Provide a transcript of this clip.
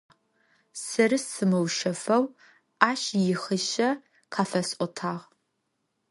Сэри сымыушъэфэу ащ ихъишъэ къафэсӏотагъ.